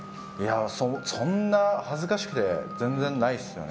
そんな恥ずかしくて全然ないですね。